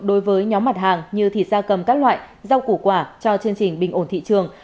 đối với nhóm mặt hàng như thịt da cầm các loại rau củ quả cho chương trình bình ổn thị trường